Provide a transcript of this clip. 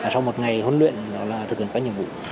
sau một ngày huấn luyện thực hiện các nhiệm vụ